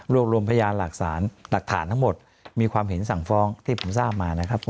รวมพยานหลักฐานทั้งหมดมีความเห็นสั่งฟ้องที่ผมทราบมานะครับผม